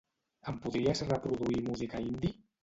Em podries reproduir música indie?